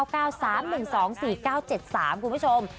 คุณผู้ชม